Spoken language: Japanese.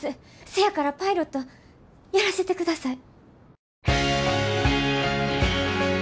せやからパイロットやらせてください。